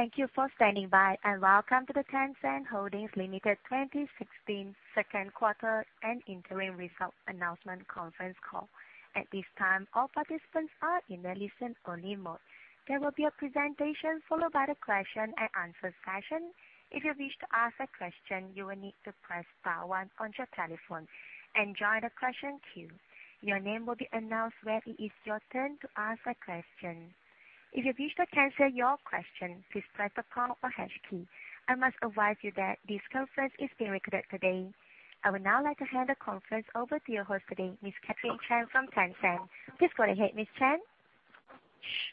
Thank you for standing by. Welcome to the Tencent Holdings Limited 2016 second quarter and interim results announcement conference call. At this time, all participants are in a listen-only mode. There will be a presentation followed by the question and answer session. If you wish to ask a question, you will need to press star one on your telephone and join the question queue. Your name will be announced when it is your turn to ask a question. If you wish to cancel your question, please press the pound or hash key. I must advise you that this conference is being recorded today. I would now like to hand the conference over to your host today, Ms. Catherine Chan from Tencent. Please go ahead, Ms. Chan.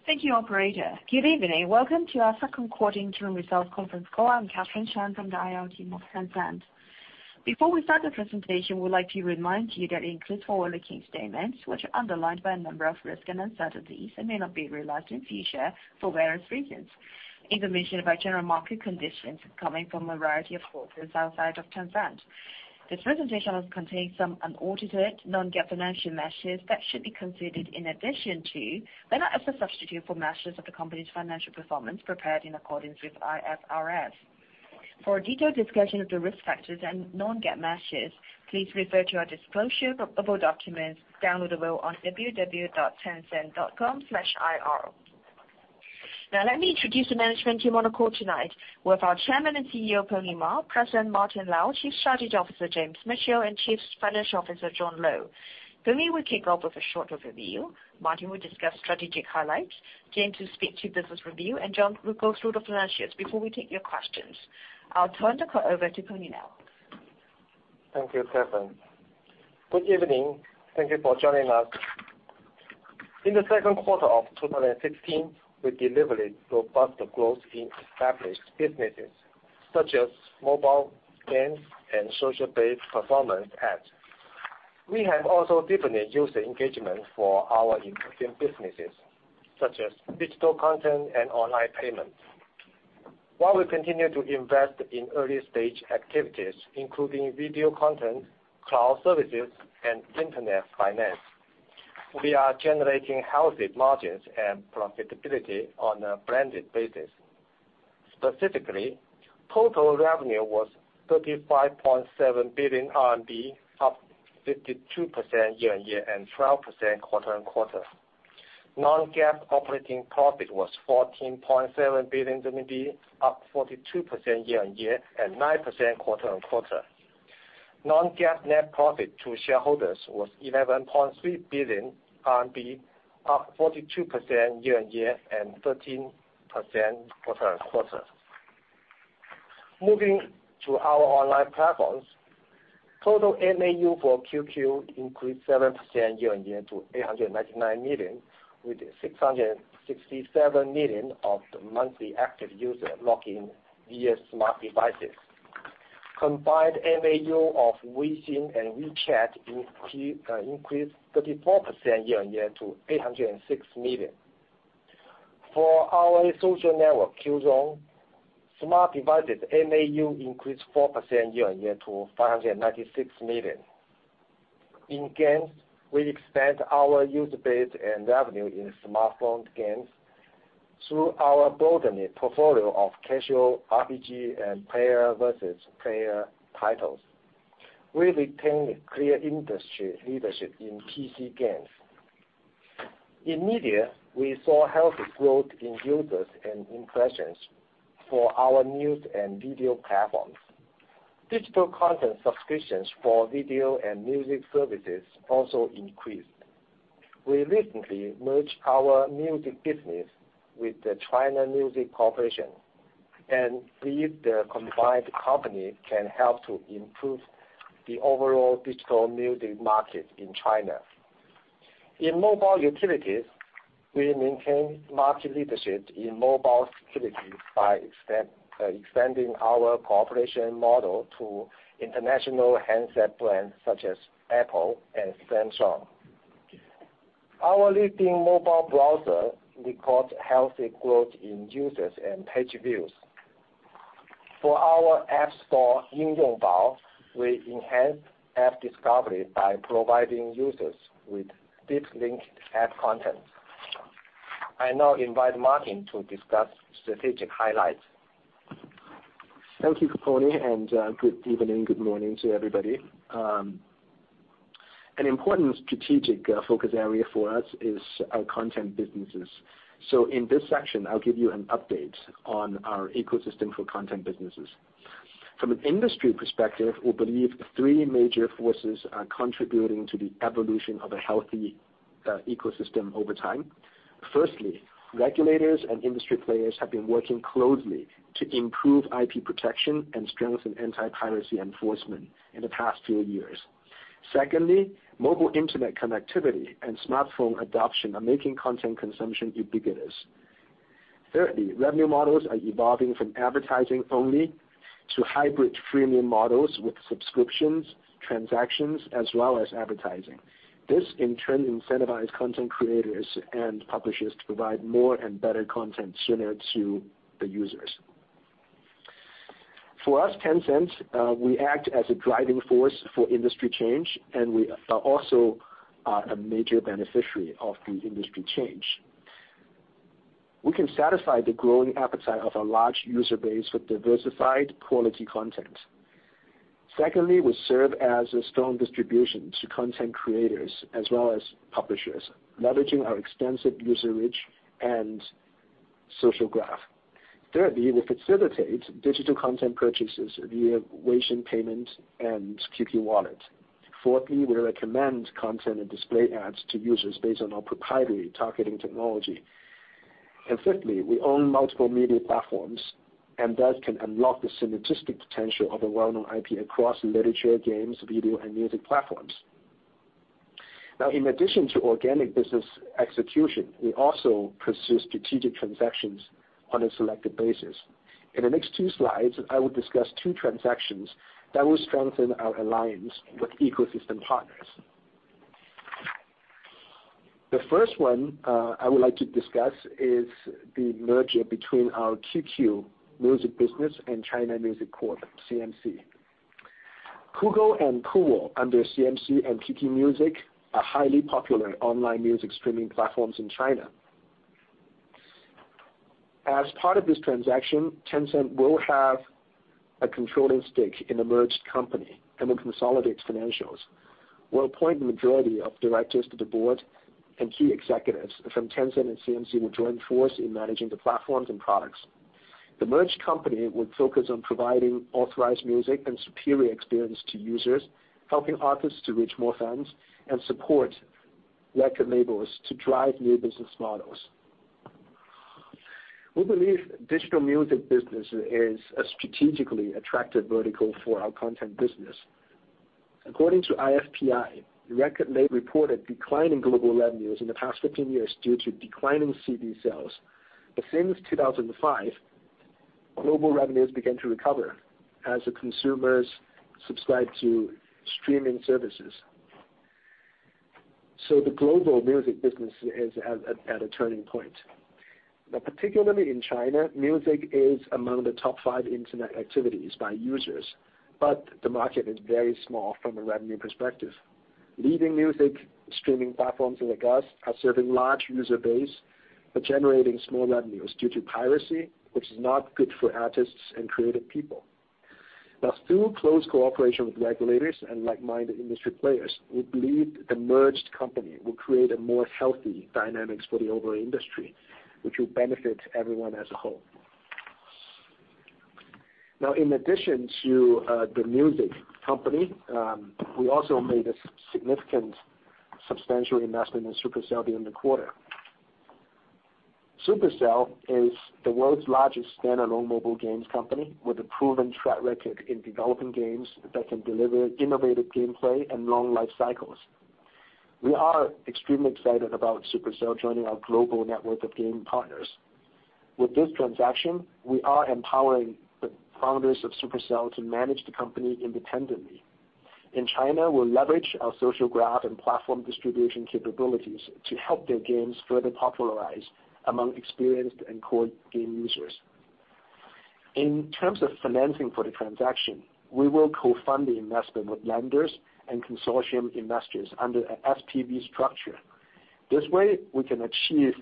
Thank you, operator. Good evening. Welcome to our second quarter interim results conference call. I'm Catherine Chan from the IR team of Tencent. Before we start the presentation, we would like to remind you that it includes forward-looking statements, which are underlined by a number of risks and uncertainties and may not be realized in future for various reasons, including but not general market conditions coming from a variety of sources outside of Tencent. This presentation also contains some unaudited non-GAAP financial measures that should be considered in addition to, but not as a substitute for, measures of the company's financial performance prepared in accordance with IFRS. For a detailed discussion of the risk factors and non-GAAP measures, please refer to our disclosure of above documents downloadable on www.tencent.com/ir. Let me introduce the management team on the call tonight. We have our Chairman and CEO, Pony Ma; President, Martin Lau; Chief Strategy Officer, James Mitchell; and Chief Financial Officer, John Lo. Pony will kick off with a short overview. Martin will discuss strategic highlights. James will speak to business review. John will go through the financials before we take your questions. I'll turn the call over to Pony now. Thank you, Catherine. Good evening. Thank you for joining us. In the second quarter of 2016, we delivered robust growth in established businesses such as mobile games and social-based performance ads. We have also deepened user engagement for our existing businesses, such as digital content and online payments. While we continue to invest in early-stage activities, including video content, cloud services, and Internet finance, we are generating healthy margins and profitability on a blended basis. Specifically, total revenue was 35.7 billion RMB, up 52% year-on-year and 12% quarter-on-quarter. Non-GAAP operating profit was 14.7 billion RMB, up 42% year-on-year and 9% quarter-on-quarter. Non-GAAP net profit to shareholders was 11.3 billion RMB, up 42% year-on-year and 13% quarter-on-quarter. Moving to our online platforms, total MAU for QQ increased 7% year-on-year to 899 million, with 667 million of the monthly active users logging via smart devices. Combined MAU of Weixin and WeChat increased 34% year-on-year to 806 million. For our social network, Qzone, smart devices MAU increased 4% year-on-year to 596 million. In games, we expand our user base and revenue in smartphone games through our broadened portfolio of casual RPG and player versus player titles. We retain a clear industry leadership in PC games. In media, we saw healthy growth in users and impressions for our news and video platforms. Digital content subscriptions for video and music services also increased. We recently merged our music business with the China Music Corporation, and believe the combined company can help to improve the overall digital music market in China. In mobile utilities, we maintain market leadership in mobile security by expanding our cooperation model to international handset brands such as Apple and Samsung. Our leading mobile browser records healthy growth in users and page views. For our app store, Yingyongbao, we enhance app discovery by providing users with deep link app content. I now invite Martin to discuss strategic highlights. Thank you, Pony, and good evening, good morning to everybody. An important strategic focus area for us is our content businesses. In this section, I'll give you an update on our ecosystem for content businesses. From an industry perspective, we believe three major forces are contributing to the evolution of a healthy ecosystem over time. Firstly, regulators and industry players have been working closely to improve IP protection and strengthen anti-piracy enforcement in the past few years. Secondly, mobile internet connectivity and smartphone adoption are making content consumption ubiquitous. Thirdly, revenue models are evolving from advertising only to hybrid freemium models with subscriptions, transactions, as well as advertising. This, in turn, incentivize content creators and publishers to provide more and better content sooner to the users. For us, Tencent, we act as a driving force for industry change, and we are also a major beneficiary of the industry change. We can satisfy the growing appetite of our large user base with diversified quality content. Secondly, we serve as a strong distribution to content creators as well as publishers, leveraging our extensive user reach and social graph. Thirdly, we facilitate digital content purchases via Weixin Pay and QQ Wallet. Fourthly, we recommend content and display ads to users based on our proprietary targeting technology. Fifthly, we own multiple media platforms, and thus can unlock the synergistic potential of a well-known IP across literature, games, video, and music platforms. Now, in addition to organic business execution, we also pursue strategic transactions on a selective basis. In the next two slides, I will discuss two transactions that will strengthen our alliance with ecosystem partners. The first one I would like to discuss is the merger between our QQ Music business and China Music Corporation, CMC. Kugou and Kuwo under CMC and QQ Music are highly popular online music streaming platforms in China. As part of this transaction, Tencent will have a controlling stake in the merged company, and will consolidate financials. We'll appoint the majority of directors to the board, and key executives from Tencent and CMC will join force in managing the platforms and products. The merged company would focus on providing authorized music and superior experience to users, helping artists to reach more fans, and support record labels to drive new business models. We believe digital music business is a strategically attractive vertical for our content business. According to IFPI, the record label reported declining global revenues in the past 15 years due to declining CD sales. Since 2005, global revenues began to recover as the consumers subscribed to streaming services. The global music business is at a turning point. Particularly in China, music is among the top five internet activities by users, but the market is very small from a revenue perspective. Leading music streaming platforms like us are serving large user base, but generating small revenues due to piracy, which is not good for artists and creative people. Through close cooperation with regulators and like-minded industry players, we believe the merged company will create a more healthy dynamics for the overall industry, which will benefit everyone as a whole. In addition to the music company, we also made a significant substantial investment in Supercell during the quarter. Supercell is the world's largest standalone mobile games company with a proven track record in developing games that can deliver innovative gameplay and long life cycles. We are extremely excited about Supercell joining our global network of game partners. With this transaction, we are empowering the founders of Supercell to manage the company independently. In China, we leverage our social graph and platform distribution capabilities to help their games further popularize among experienced and core game users. In terms of financing for the transaction, we will co-fund the investment with lenders and consortium investors under an SPV structure. This way, we can achieve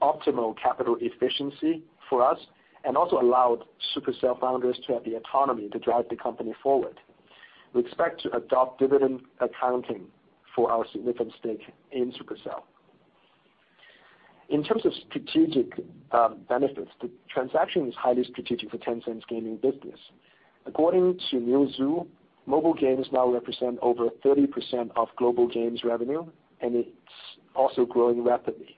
optimal capital efficiency for us and also allow Supercell founders to have the autonomy to drive the company forward. We expect to adopt dividend accounting for our significant stake in Supercell. In terms of strategic benefits, the transaction is highly strategic for Tencent's gaming business. According to Newzoo, mobile games now represent over 30% of global games revenue, and it's also growing rapidly.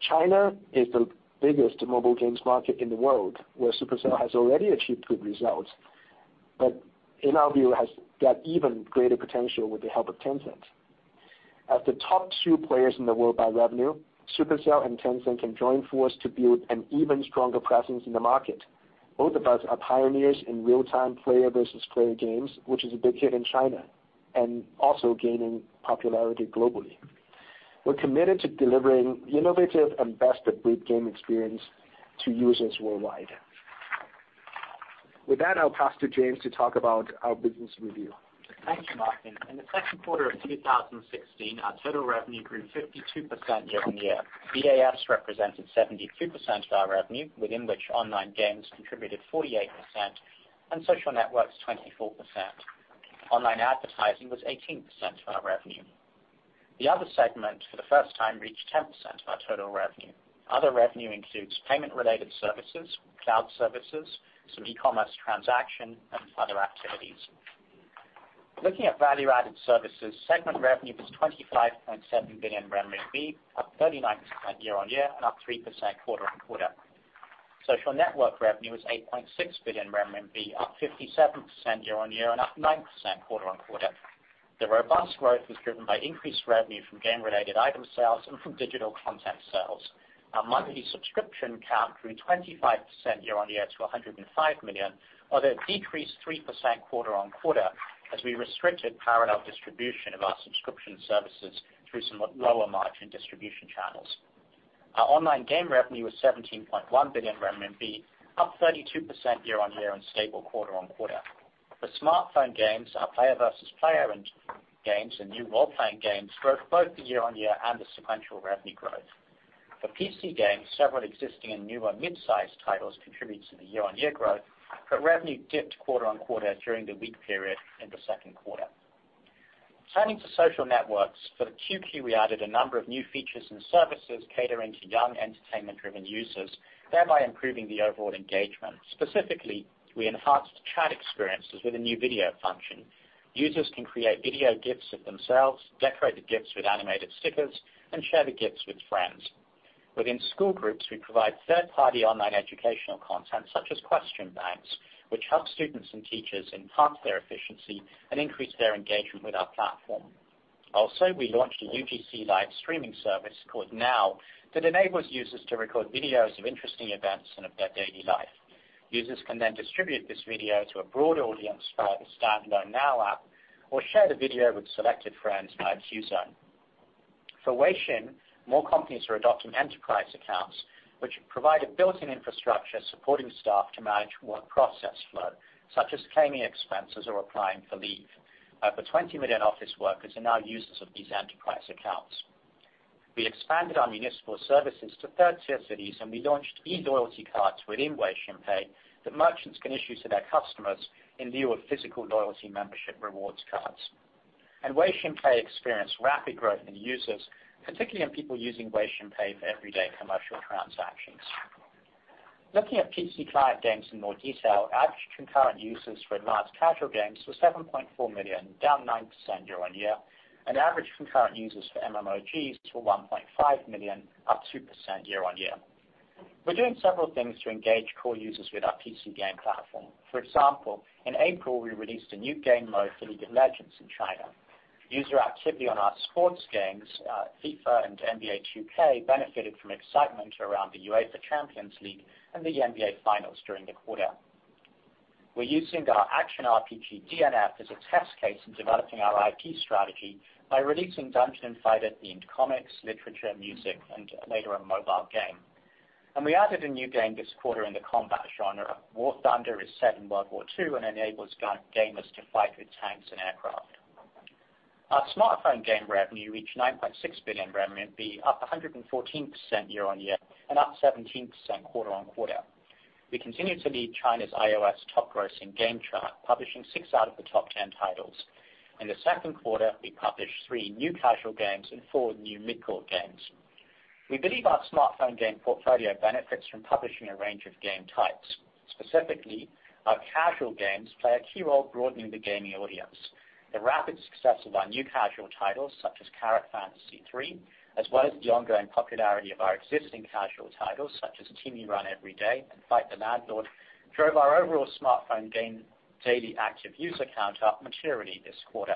China is the biggest mobile games market in the world, where Supercell has already achieved good results. In our view, has got even greater potential with the help of Tencent. As the top two players in the world by revenue, Supercell and Tencent can join force to build an even stronger presence in the market. Both of us are pioneers in real-time player versus player games, which is a big hit in China, and also gaining popularity globally. We're committed to delivering innovative and best-of-breed game experience to users worldwide. With that, I'll pass to James to talk about our business review. Thank you, Martin. In the second quarter of 2016, our total revenue grew 52% year-on-year. VAS represented 72% of our revenue, within which online games contributed 48% and social networks 24%. Online advertising was 18% of our revenue. The other segment, for the first time, reached 10% of our total revenue. Other revenue includes payment-related services, cloud services, some e-commerce transaction, and other activities. Looking at value-added services, segment revenue was 25.7 billion RMB, up 39% year-on-year and up 3% quarter-on-quarter. Social network revenue was 8.6 billion RMB, up 57% year-on-year and up 9% quarter-on-quarter. The robust growth was driven by increased revenue from game-related item sales and from digital content sales. Our monthly subscription count grew 25% year-on-year to 105 million. It decreased 3% quarter-on-quarter as we restricted parallel distribution of our subscription services through somewhat lower margin distribution channels. Our online game revenue was 17.1 billion RMB, up 32% year-on-year and stable quarter-on-quarter. The smartphone games, our player versus player games and new role-playing games drove both the year-on-year and the sequential revenue growth. For PC games, several existing and newer mid-size titles contributed to the year-on-year growth, revenue dipped quarter-on-quarter during the weak period in the second quarter. Turning to social networks. For the QQ, we added a number of new features and services catering to young entertainment-driven users, thereby improving the overall engagement. Specifically, we enhanced chat experiences with a new video function. Users can create video GIFs of themselves, decorate the GIFs with animated stickers, and share the GIFs with friends. Within school groups, we provide third-party online educational content such as question banks, which help students and teachers enhance their efficiency and increase their engagement with our platform. We launched a UGC live streaming service called Now that enables users to record videos of interesting events and of their daily life. Users can distribute this video to a broad audience via the standalone Now app or share the video with selected friends via Qzone. For Weixin, more companies are adopting enterprise accounts, which provide a built-in infrastructure supporting staff to manage work process flow, such as claiming expenses or applying for leave. Over 20 million office workers are now users of these enterprise accounts. We expanded our municipal services to third-tier cities, we launched e-loyalty cards within Weixin Pay that merchants can issue to their customers in lieu of physical loyalty membership rewards cards. Weixin Pay experienced rapid growth in users, particularly in people using Weixin Pay for everyday commercial transactions. Looking at PC client games in more detail, average concurrent users for advanced casual games were 7.4 million, down 9% year-on-year, and average concurrent users for MMOGs were 1.5 million, up 2% year-on-year. We're doing several things to engage core users with our PC game platform. For example, in April, we released a new game mode for League of Legends in China. User activity on our sports games, FIFA and NBA 2K, benefited from excitement around the UEFA Champions League and the NBA Finals during the quarter. We're using our action RPG, DNF, as a test case in developing our IP strategy by releasing Dungeon & Fighter-themed comics, literature, music, and later, a mobile game. We added a new game this quarter in the combat genre. War Thunder is set in World War II and enables gamers to fight with tanks and aircraft. Our smartphone game revenue reached 9.6 billion, up 114% year-on-year and up 17% quarter-on-quarter. We continue to lead China's iOS top grossing game chart, publishing six out of the top 10 titles. In the second quarter, we published three new casual games and four new mid-core games. We believe our smartphone game portfolio benefits from publishing a range of game types. Specifically, our casual games play a key role broadening the gaming audience. The rapid success of our new casual titles, such as Carrot Fantasy 3, as well as the ongoing popularity of our existing casual titles, such as Cool Run Every Day and Fight the Landlord, drove our overall smartphone game daily active user count up materially this quarter.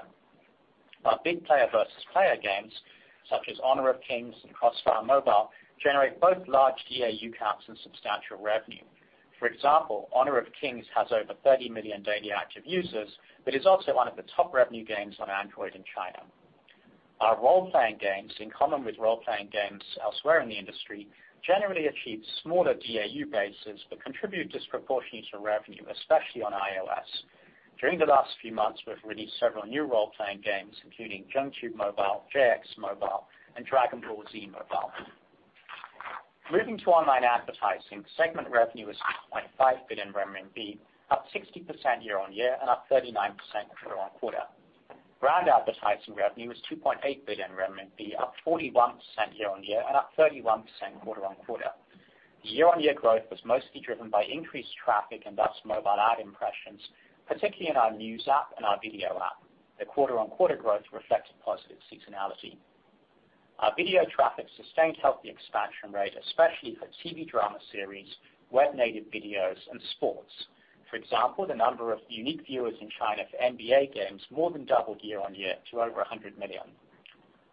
Our big player versus player games, such as Honor of Kings and CrossFire Mobile, generate both large DAU counts and substantial revenue. For example, Honor of Kings has over 30 million daily active users but is also one of the top revenue games on Android in China. Our role-playing games, in common with role-playing games elsewhere in the industry, generally achieve smaller DAU bases but contribute disproportionately to revenue, especially on iOS. During the last few months, we've released several new role-playing games, including Zheng Tu Mobile, JX Mobile, and Dragon Ball Z Mobile. Moving to online advertising, segment revenue was 6.5 billion RMB, up 60% year-on-year and up 39% quarter-on-quarter. Brand advertising revenue was 2.8 billion renminbi, up 41% year-on-year and up 31% quarter-on-quarter. The year-on-year growth was mostly driven by increased traffic and thus mobile ad impressions, particularly in our news app and our video app. The quarter-on-quarter growth reflected positive seasonality. Our video traffic sustained healthy expansion rate, especially for TV drama series, web-native videos, and sports. For example, the number of unique viewers in China for NBA games more than doubled year-on-year to over 100 million.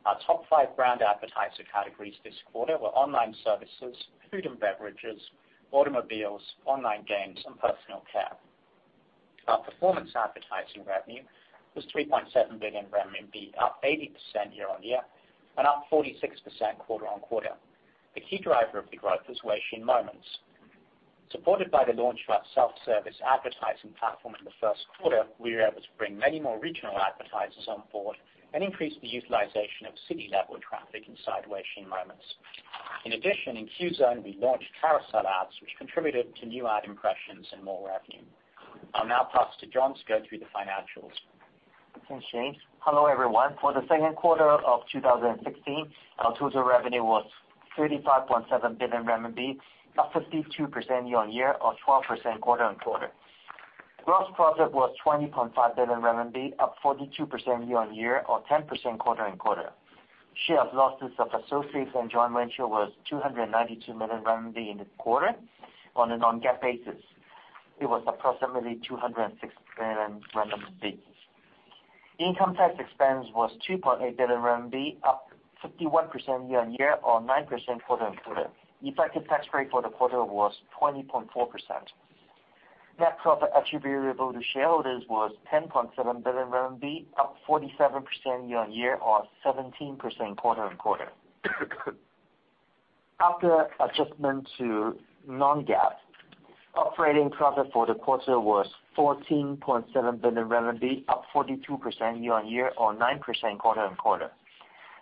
Our top five brand advertiser categories this quarter were online services, food and beverages, automobiles, online games, and personal care. Our performance advertising revenue was 3.7 billion renminbi, up 80% year-on-year and up 46% quarter-on-quarter. The key driver of the growth was Weixin Moments. Supported by the launch of our self-service advertising platform in the first quarter, we were able to bring many more regional advertisers on board and increase the utilization of city-level traffic inside Weixin Moments. In addition, in Qzone, we launched carousel ads, which contributed to new ad impressions and more revenue. I'll now pass to John, go through the financials. Thanks, Shane. Hello, everyone. For the second quarter of 2016, our total revenue was 35.7 billion RMB, up 52% year-on-year or 12% quarter-on-quarter. Gross profit was 20.5 billion RMB, up 42% year-on-year or 10% quarter-on-quarter. Share of losses of associates and joint venture was 292 million RMB in the quarter. On a non-GAAP basis, it was approximately 206 million RMB. Income tax expense was 2.8 billion RMB, up 51% year-on-year or 9% quarter-on-quarter. Effective tax rate for the quarter was 20.4%. Net profit attributable to shareholders was 10.7 billion RMB, up 47% year-on-year or 17% quarter-on-quarter. After adjustment to non-GAAP, operating profit for the quarter was 14.7 billion RMB, up 42% year-on-year or 9% quarter-on-quarter.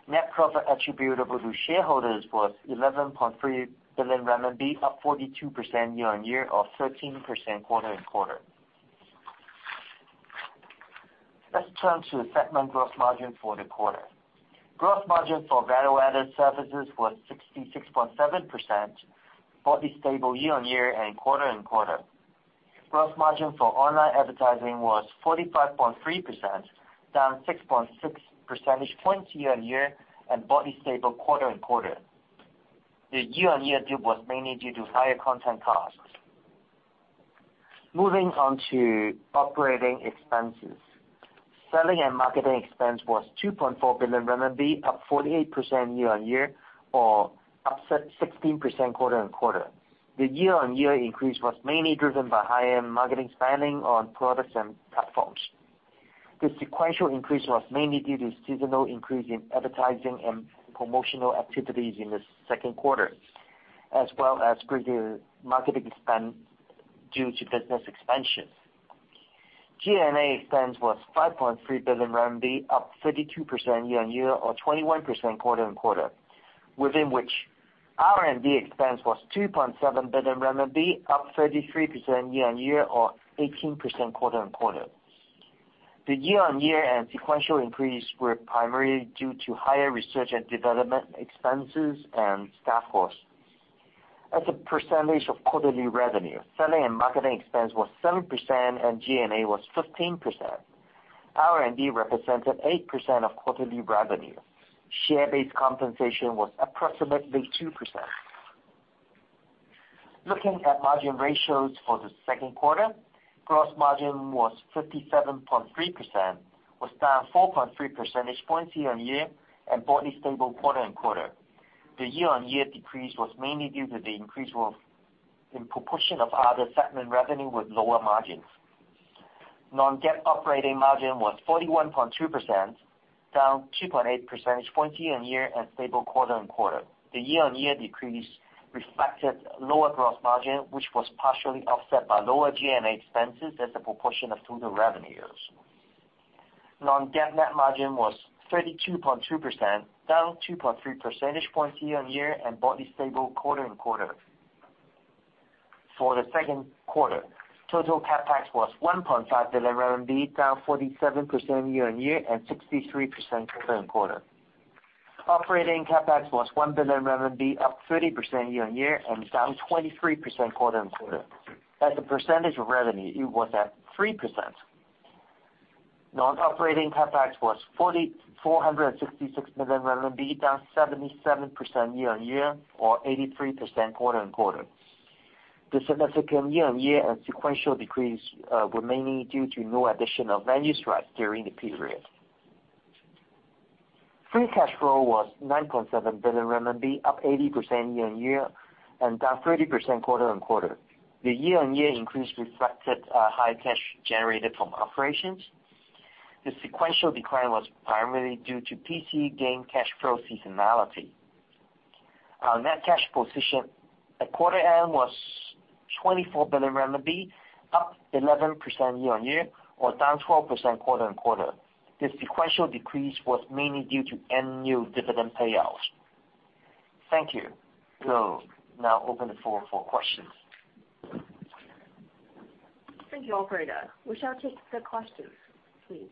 Net profit attributable to shareholders was 11.3 billion RMB, up 42% year-on-year or 13% quarter-on-quarter. Let's turn to segment gross margin for the quarter. Gross margin for value-added services was 66.7%, broadly stable year-on-year and quarter-on-quarter. Gross margin for online advertising was 45.3%, down 6.6 percentage points year-on-year and broadly stable quarter-on-quarter. The year-on-year dip was mainly due to higher content costs. Moving on to operating expenses. Selling and marketing expense was 2.4 billion RMB, up 48% year-on-year or up 16% quarter-on-quarter. The year-on-year increase was mainly driven by higher marketing spending on products and platforms. The sequential increase was mainly due to seasonal increase in advertising and promotional activities in the second quarter, as well as greater marketing spend due to business expansion. G&A expense was 5.3 billion RMB, up 32% year-on-year or 21% quarter-on-quarter, within which R&D expense was 2.7 billion RMB, up 33% year-on-year or 18% quarter-on-quarter. The year-on-year and sequential increase were primarily due to higher research and development expenses and staff costs. As a percentage of quarterly revenue, selling and marketing expense was 7% and G&A was 15%. R&D represented 8% of quarterly revenue. Share-based compensation was approximately 2%. Looking at margin ratios for the second quarter, gross margin was 57.3%, was down 4.3 percentage points year-on-year and broadly stable quarter-on-quarter. The year-on-year decrease was mainly due to the increase in proportion of other segment revenue with lower margins. Non-GAAP operating margin was 41.2%, down 2.8 percentage points year-on-year and stable quarter-on-quarter. The year-on-year decrease reflected lower gross margin, which was partially offset by lower G&A expenses as a proportion of total revenues. Non-GAAP net margin was 32.2%, down 2.3 percentage points year-on-year and broadly stable quarter-on-quarter. For the second quarter, total CapEx was 1.5 billion RMB, down 47% year-on-year and 63% quarter-on-quarter. Operating CapEx was 1 billion RMB, up 30% year-on-year and down 23% quarter-on-quarter. As a percentage of revenue, it was at 3%. Non-operating CapEx was 466 million RMB, down 77% year-on-year or 83% quarter-on-quarter. The significant year-on-year and sequential decrease were mainly due to no addition of venue strikes during the period. Free cash flow was 9.7 billion RMB, up 80% year-on-year and down 30% quarter-on-quarter. The year-on-year increase reflected high cash generated from operations. The sequential decline was primarily due to PC game cash flow seasonality. Our net cash position at quarter end was 24 billion RMB, up 11% year-on-year or down 12% quarter-on-quarter. This sequential decrease was mainly due to annual dividend payouts. Thank you. We'll now open the floor for questions. Thank you, operator. We shall take the questions, please.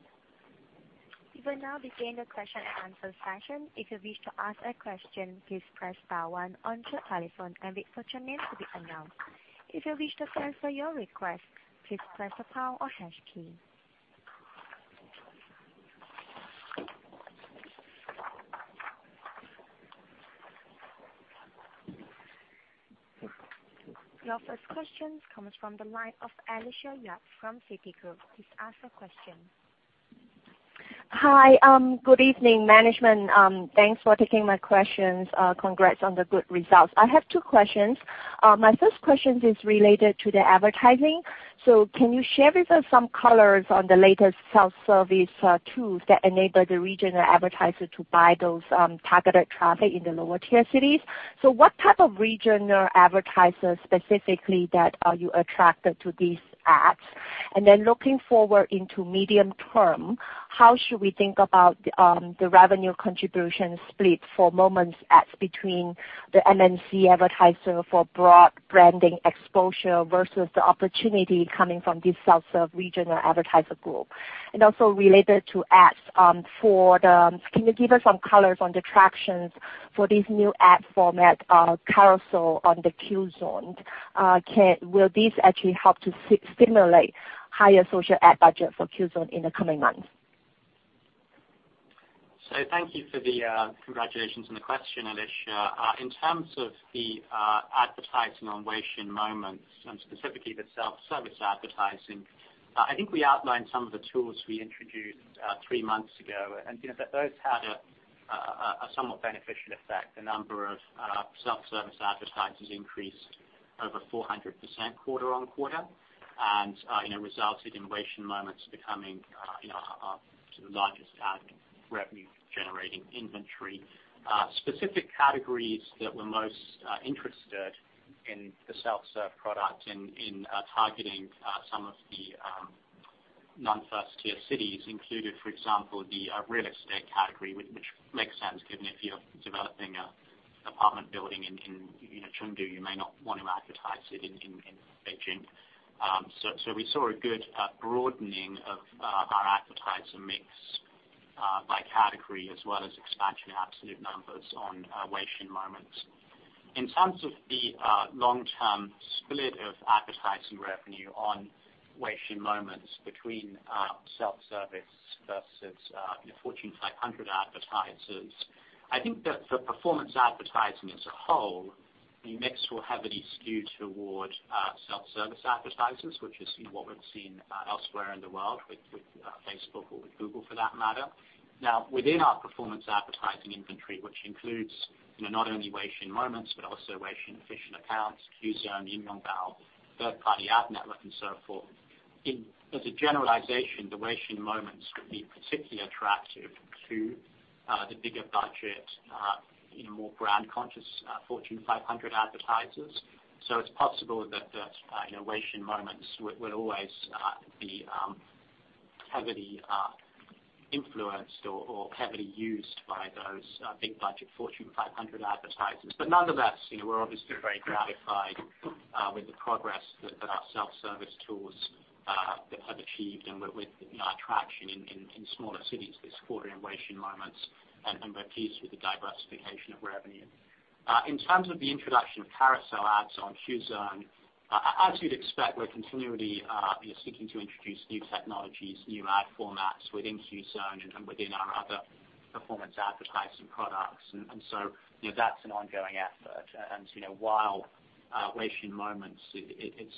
We will now begin the question and answer session. If you wish to ask a question, please press star one on your telephone and wait for your name to be announced. If you wish to cancel your request, please press the pound or hash key. Your first question comes from the line of Alicia Yap from Citigroup. Please ask your question. Hi. Good evening, management. Thanks for taking my questions. Congrats on the good results. I have two questions. My first question is related to the advertising. Can you share with us some colors on the latest self-service tools that enable the regional advertiser to buy those targeted traffic in the lower-tier cities? What type of regional advertisers specifically that are you attracted to these ads? Looking forward into medium term, how should we think about the revenue contribution split for Moments ads between the MNC advertiser for broad branding exposure versus the opportunity coming from this self-serve regional advertiser group? Also related to ads, can you give us some colors on the tractions for this new ad format, Carousel on the Qzone? Will this actually help to stimulate higher social ad budget for Qzone in the coming months? Thank you for the congratulations and the question, Alicia. In terms of the advertising on Weixin Moments, specifically the self-service advertising, I think we outlined some of the tools we introduced three months ago, and those had a A somewhat beneficial effect. The number of self-service advertisers increased over 400% quarter-on-quarter, and it results in Weixin Moments becoming the largest ad revenue-generating inventory. Specific categories that were most interested in the self-serve product in targeting some of the non-first-tier cities included, for example, the real estate category, which makes sense given if you're developing an apartment building in Chengdu, you may not want to advertise it in Beijing. We saw a good broadening of our advertiser mix by category as well as expansion in absolute numbers on Weixin Moments. In terms of the long-term split of advertising revenue on Weixin Moments between self-service versus Fortune 500 advertisers, I think that for performance advertising as a whole, the mix will heavily skew toward self-service advertisers, which is what we've seen elsewhere in the world with Facebook or with Google for that matter. Within our performance advertising inventory, which includes not only Weixin Moments but also Weixin official accounts, Qzone, Yingyongbao, third-party ad network, and so forth, as a generalization, the Weixin Moments would be particularly attractive to the bigger budget, more brand-conscious Fortune 500 advertisers. It's possible that Weixin Moments will always be heavily influenced or heavily used by those big-budget Fortune 500 advertisers. Nonetheless, we're obviously very gratified with the progress that our self-service tools have achieved and with our traction in smaller cities this quarter in Weixin Moments, and we're pleased with the diversification of revenue. In terms of the introduction of carousel ads on Qzone, as you'd expect, we're continually seeking to introduce new technologies, new ad formats within Qzone and within our other performance advertising products. That's an ongoing effort. While Weixin Moments, it's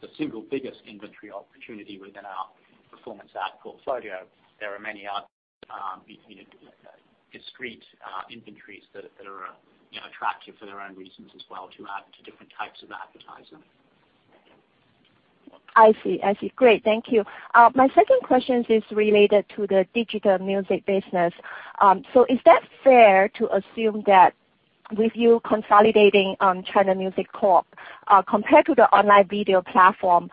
the single biggest inventory opportunity within our performance ad portfolio, there are many other discrete inventories that are attractive for their own reasons as well to add to different types of advertising. I see. Great. Thank you. My second question is related to the digital music business. Is that fair to assume that with you consolidating China Music Corporation, compared to the online video platform,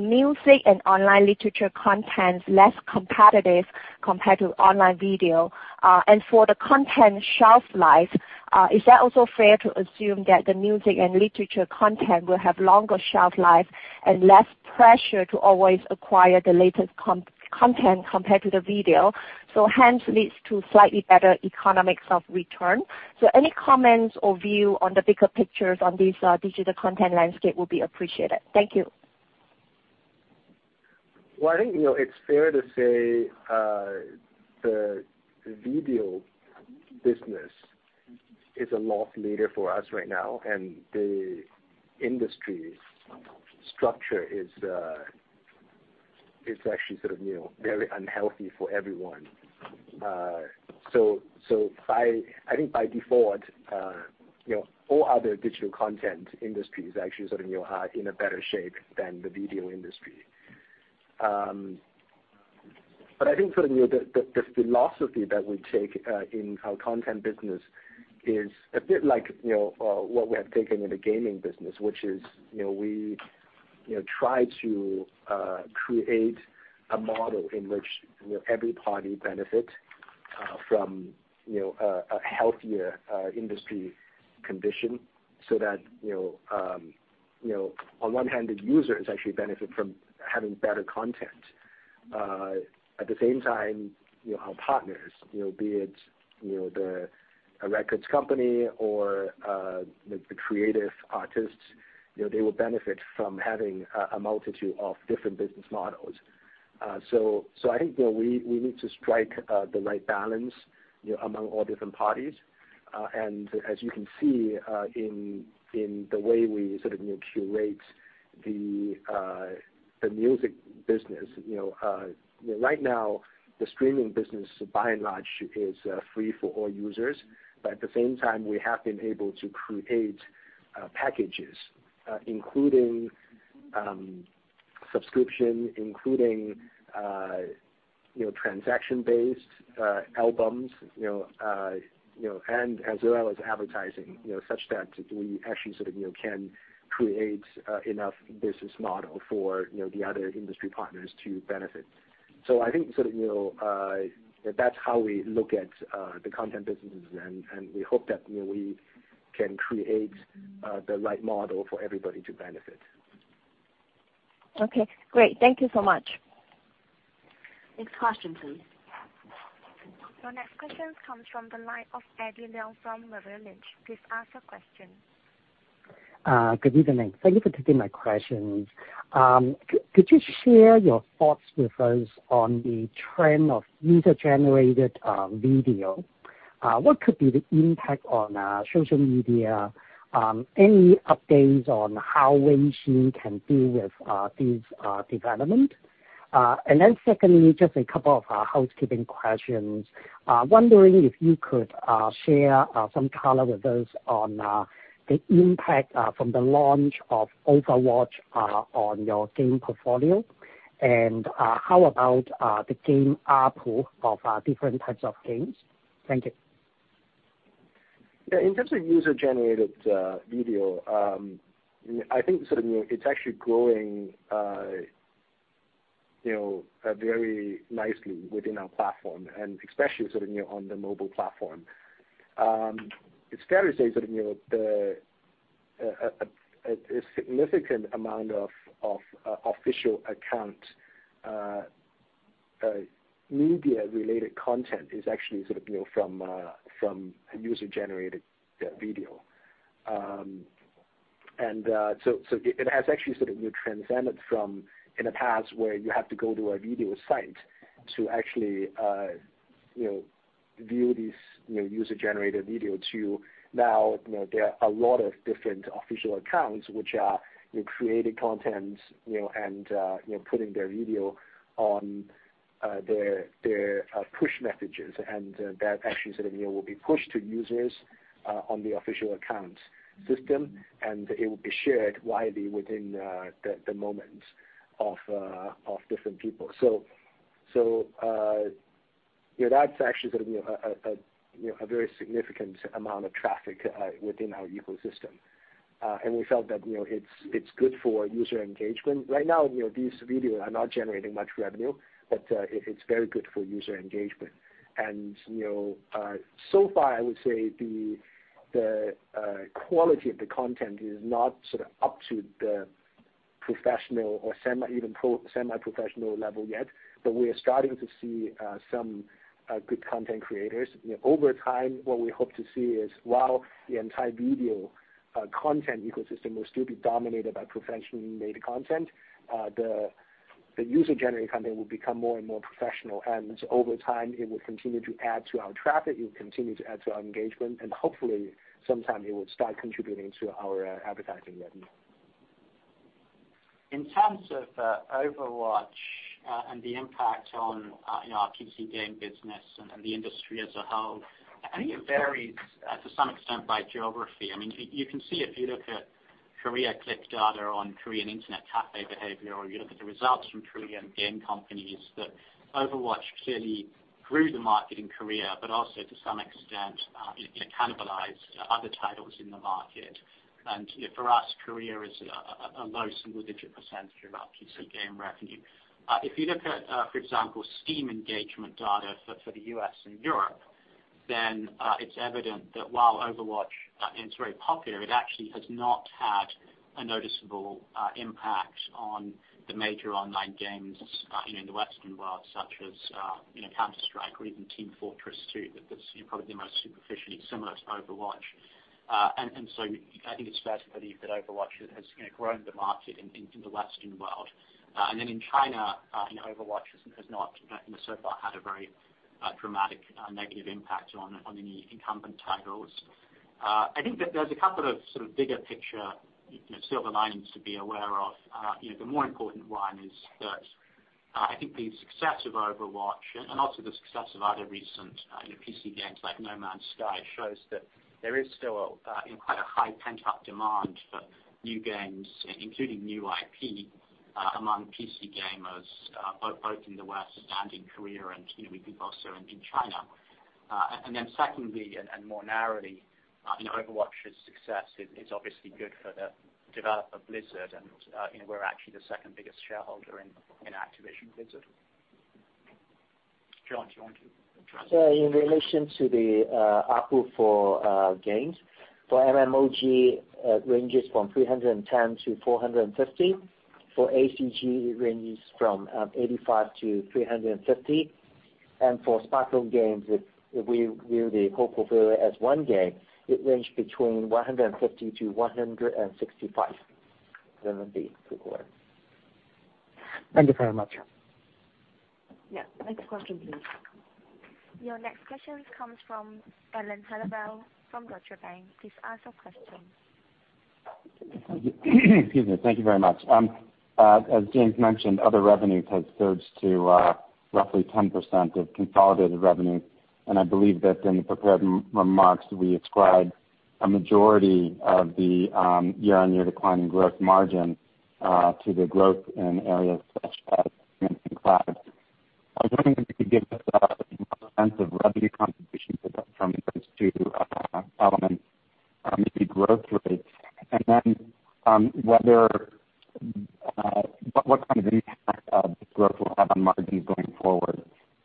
music and online literature content less competitive compared to online video? For the content shelf life, is that also fair to assume that the music and literature content will have longer shelf life and less pressure to always acquire the latest content compared to the video, hence leads to slightly better economics of return? Any comments or view on the bigger pictures on this digital content landscape would be appreciated. Thank you. I think it's fair to say the video business is a loss leader for us right now, and the industry structure is actually sort of very unhealthy for everyone. I think by default all other digital content industries actually are in a better shape than the video industry. I think sort of the philosophy that we take in our content business is a bit like what we have taken in the gaming business, which is we try to create a model in which every party benefit from a healthier industry condition so that on one hand, the users actually benefit from having better content. At the same time, our partners, be it the records company or the creative artists, they will benefit from having a multitude of different business models. I think we need to strike the right balance among all different parties. As you can see in the way we sort of curate the music business. Right now, the streaming business, by and large, is free for all users. At the same time, we have been able to create packages including subscription, including transaction-based albums, and as well as advertising, such that we actually sort of can create enough business model for the other industry partners to benefit. I think sort of that's how we look at the content businesses, and we hope that we can create the right model for everybody to benefit. Okay, great. Thank you so much. Next question, please. Your next question comes from the line of Eddie Leung from Merrill Lynch. Please ask your question. Good evening. Thank you for taking my questions. Could you share your thoughts with us on the trend of user-generated video? What could be the impact on social media? Any updates on how Weixin can deal with these development? Secondly, just a couple of housekeeping questions. Wondering if you could share some color with us on the impact from the launch of Overwatch on your game portfolio, and how about the game ARPU of different types of games? Thank you. Yeah. In terms of user-generated video, I think it's actually growing very nicely within our platform and especially on the mobile platform. It's fair to say a significant amount of official account media-related content is actually from user-generated video. It has actually transcended from, in the past, where you have to go to a video site to actually view these user-generated video, to now there are a lot of different official accounts which are creating content and putting their video on their push messages. That actually will be pushed to users on the official account system, and it will be shared widely within the Moments of different people. That's actually a very significant amount of traffic within our ecosystem. We felt that it's good for user engagement. Right now, these videos are not generating much revenue, but it's very good for user engagement. So far, I would say the quality of the content is not up to the professional or even semi-professional level yet, but we are starting to see some good content creators. Over time, what we hope to see is, while the entire video content ecosystem will still be dominated by professionally-made content, the user-generated content will become more and more professional. Over time, it will continue to add to our traffic, it will continue to add to our engagement, and hopefully sometime it will start contributing to our advertising revenue. In terms of Overwatch and the impact on our PC game business and the industry as a whole, I think it varies to some extent by geography. You can see if you look at KoreanClick data on Korean internet cafe behavior, or you look at the results from Korean game companies, that Overwatch clearly grew the market in Korea, but also to some extent it cannibalized other titles in the market. For us, Korea is a low single-digit % of our PC game revenue. If you look at, for example, Steam engagement data for the U.S. and Europe, then it's evident that while Overwatch is very popular, it actually has not had a noticeable impact on the major online games in the Western world, such as Counter-Strike or even Team Fortress 2, probably the most superficially similar to Overwatch. I think it's fair to believe that Overwatch has grown the market in the Western world. In China, Overwatch has not so far had a very dramatic negative impact on any incumbent titles. I think that there's a couple of sort of bigger picture silver linings to be aware of. The more important one is that I think the success of Overwatch and also the success of other recent PC games like No Man's Sky shows that there is still quite a high pent-up demand for new games, including new IP, among PC gamers, both in the West and in Korea, and we think also in China. Secondly, and more narrowly, Overwatch's success is obviously good for the developer, Blizzard, and we're actually the second biggest shareholder in Activision Blizzard. John, do you want to- In relation to the ARPU for games, for MMOG, it ranges from 310-450. For ACG, it ranges from 85-350. For smartphone games, if we view the whole portfolio as one game, it ranges between RMB 150-RMB 165. That would be equivalent. Thank you very much. Yeah. Next question, please. Your next question comes from Alan Hellawell from Deutsche Bank. Please ask your question. Excuse me. Thank you very much. As James mentioned, other revenues has surged to roughly 10% of consolidated revenue, and I believe that in the prepared remarks, we ascribed a majority of the year-on-year decline in gross margin to the growth in areas such as cloud. I was wondering if you could give us a sense of revenue contribution from those two elements, maybe growth rates, and then what kind of impact this growth will have on margins going forward.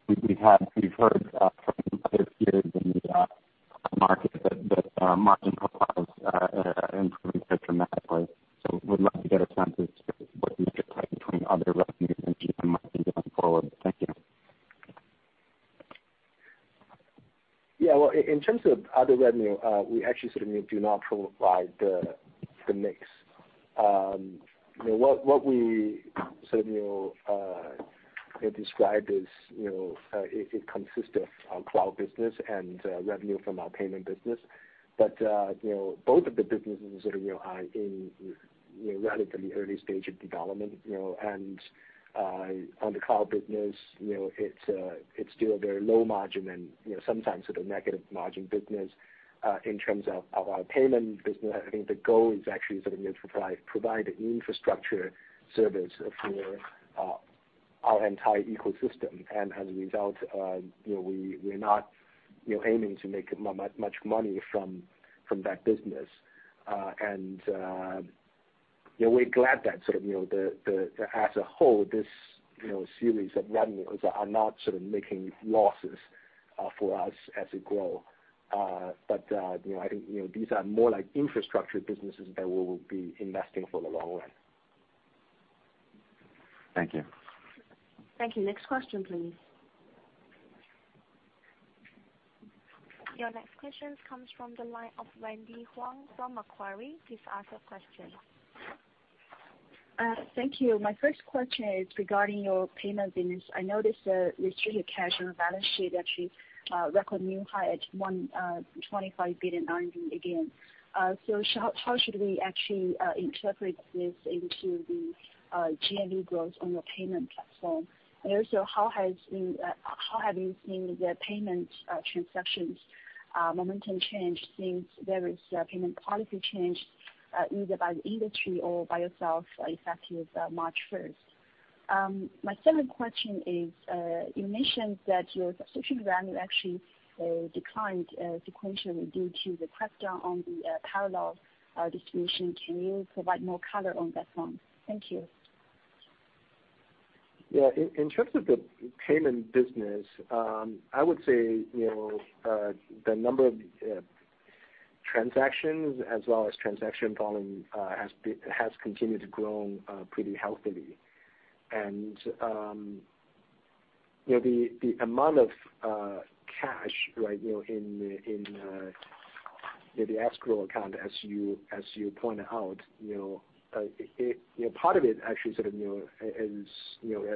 We've heard from other peers in the market that margin profiles improved dramatically, so would like to get a sense of what you expect between other revenues and GM margins going forward. Thank you. Yeah. Well, in terms of other revenue, we actually do not provide the mix. What we described is, it consists of our cloud business and revenue from our payment business. Both of the businesses are in relatively early stage of development. On the cloud business, it's still a very low margin and sometimes negative margin business. In terms of our payment business, I think the goal is actually sort of provide infrastructure service for our entire ecosystem. As a result, we're not aiming to make much money from that business. We're glad that as a whole, this series of revenues are not making losses for us as it grow. I think these are more like infrastructure businesses that we will be investing for the long run. Thank you. Thank you. Next question, please. Your next question comes from the line of Wendy Huang from Macquarie. Please ask your question. Thank you. My first question is regarding your payment business. I noticed restricted cash on the balance sheet actually record new high at 125 billion RMB again. How should we actually interpret this into the GMV growth on your payment platform? Also, how have you seen the payment transactions momentum change since there is a payment policy change, either by the industry or by yourself, effective March 1st? My second question is, you mentioned that your subscription revenue actually declined sequentially due to the crackdown on the parallel distribution. Can you provide more color on that one? Thank you. Yeah. In terms of the payment business, I would say, the number of transactions as well as transaction volume has continued to grow pretty healthily. The amount of cash right in the escrow account, as you pointed out, part of it actually is a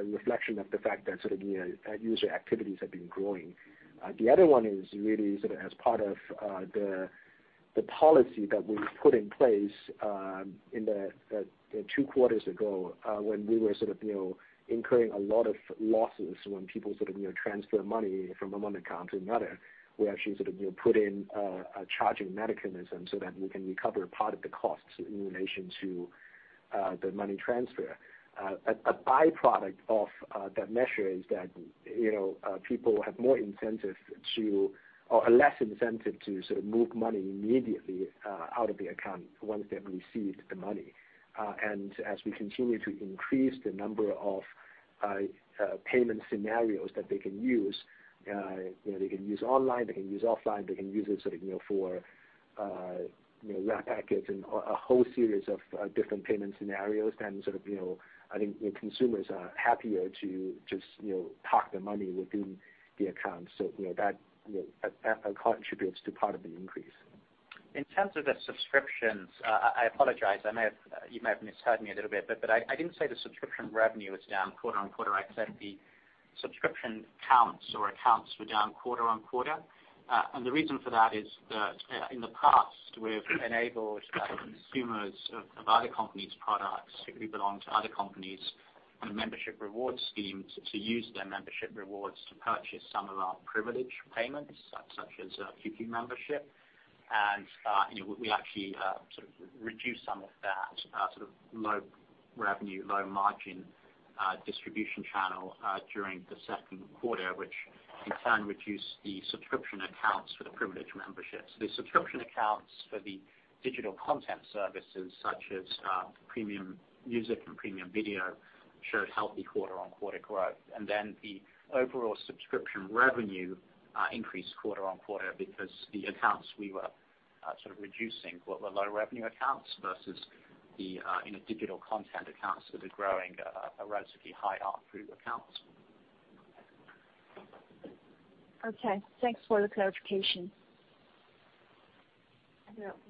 reflection of the fact that user activities have been growing. The other one is really as part of the policy that we put in place two quarters ago, when we were incurring a lot of losses when people transfer money from one account to another. We actually put in a charging mechanism so that we can recover part of the costs in relation to the money transfer. A byproduct of that measure is that people have less incentive to sort of move money immediately out of the account once they've received the money. As we continue to increase the number of payment scenarios that they can use, they can use online, they can use offline, they can use it for red packets and a whole series of different payment scenarios. I think consumers are happier to just park their money within the account. That contributes to part of the increase. In terms of the subscriptions, I apologize, you might have misheard me a little bit. I didn't say the subscription revenue is down quarter-on-quarter. I said the subscription counts or accounts were down quarter-on-quarter. The reason for that is that in the past, we've enabled consumers of other companies' products, particularly belong to other companies on a membership reward scheme, to use their membership rewards to purchase some of our privilege memberships, such as QQ membership. We actually sort of reduced some of that low revenue, low margin distribution channel during the second quarter, which in turn reduced the subscription accounts for the privilege memberships. The subscription accounts for the digital content services such as premium music and premium video, showed healthy quarter-on-quarter growth. The overall subscription revenue increased quarter-on-quarter because the accounts we were sort of reducing were the low revenue accounts versus the digital content accounts that are growing a relatively high ARPU accounts. Okay. Thanks for the clarification.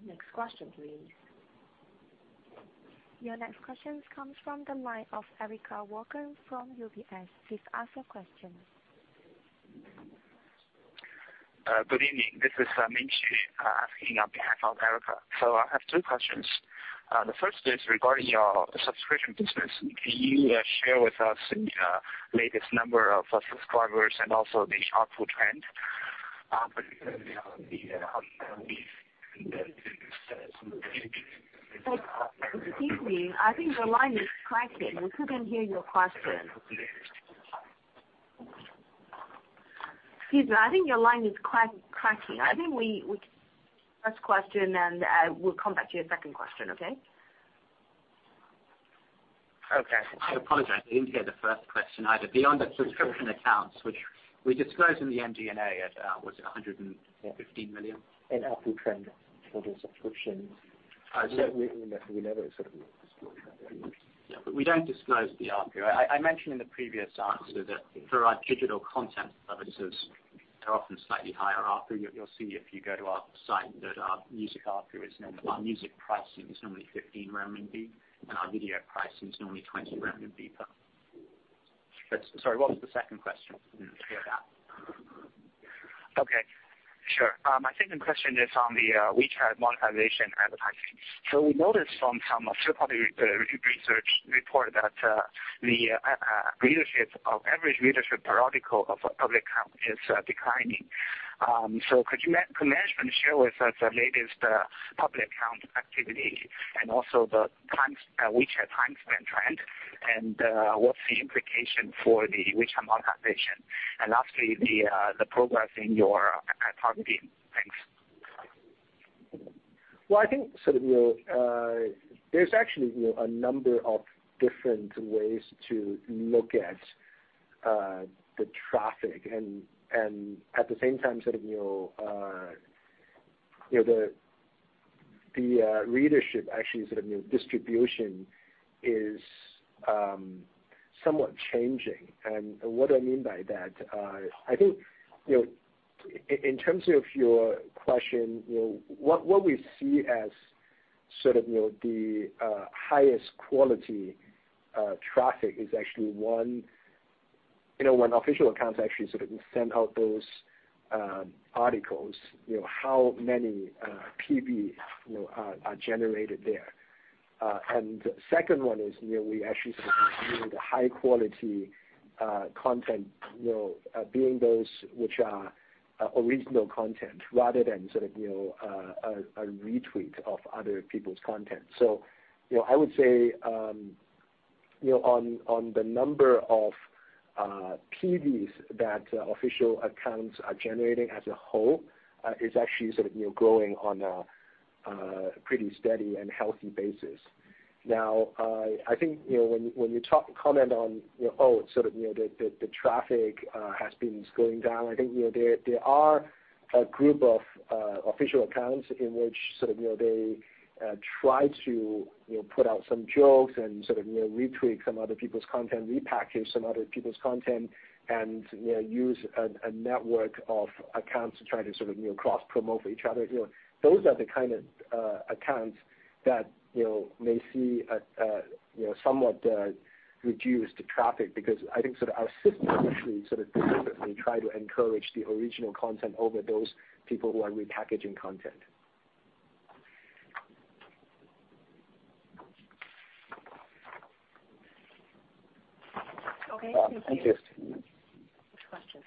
Next question, please. Your next question comes from the line of Erica Walker from UBS. Please ask your question. Good evening. This is Ming Xu asking on behalf of Erica. I have two questions. The first is regarding your subscription business. Can you share with us the latest number of subscribers and also the chartful trend? Particularly on the Excuse me. I think your line is cracking. We couldn't hear your question. Excuse me. I think your line is cracking. I think we first question, then we'll come back to your second question. Okay? Okay. I apologize. I didn't hear the first question either. Beyond the subscription accounts, which we disclosed in the MD&A at, was it 150 million? An upward trend for the subscriptions. We never But we don't disclose the ARPU. I mentioned in the previous answer that for our digital content services, they're often slightly higher ARPU. You'll see if you go to our site that our music ARPU, our music pricing is normally 15 RMB, and our video pricing is normally 20 RMB. Sorry, what was the second question? Didn't hear that. Okay, sure. My second question is on the WeChat monetization advertising. We noticed from some third-party research report that the average readership per article of a public account is declining. Could management share with us the latest public account activity and also the WeChat time spend trend? What's the implication for the WeChat monetization? Lastly, the progress in your IP targeting. Thanks. Well, I think there's actually a number of different ways to look at the traffic and at the same time the readership actually, distribution is somewhat changing. What I mean by that, I think in terms of your question, what we see as the highest quality traffic is actually one official account actually sort of send out those articles, how many PV are generated there. Second one is we actually see the high-quality content being those which are original content rather than a retweet of other people's content. I would say on the number of PVs that official accounts are generating as a whole is actually growing on a pretty steady and healthy basis. I think when you comment on the traffic has been going down, I think there are a group of official accounts in which they try to put out some jokes and retweet some other people's content, repackage some other people's content, and use a network of accounts to try to cross-promote for each other. Those are the kind of accounts that may see a somewhat reduced traffic because I think our system actually specifically try to encourage the original content over those people who are repackaging content. Okay, thank you. Next question.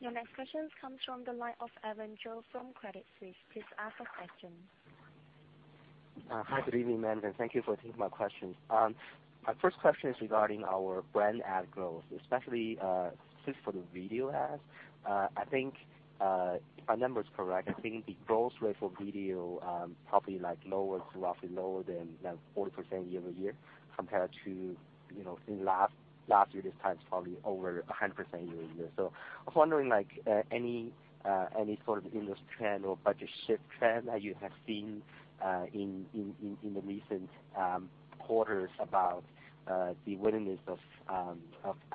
Your next question comes from the line of Evan Zhou from Credit Suisse. Please ask your question. Hi, good evening, gentlemen. Thank you for taking my questions. My first question is regarding our brand ad growth, especially just for the video ads. I think if my number is correct, I think the growth rate for video probably like lower than 40% year-over-year compared to last year this time, it's probably over 100% year-over-year. I was wondering like any sort of industry trend or budget shift trend that you have seen in the recent quarters about the willingness of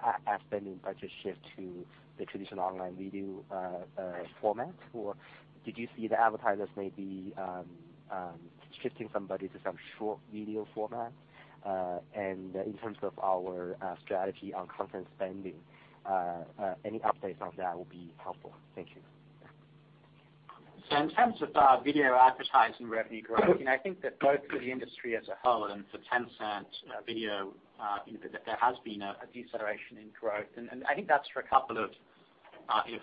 ad spending budget shift to the traditional online video format? Did you see the advertisers maybe shifting some budget to some short video format? In terms of our strategy on content spending, any updates on that will be helpful. Thank you. In terms of our video advertising revenue growth, I think that both for the industry as a whole and for Tencent Video there has been a deceleration in growth, and I think that's for a couple of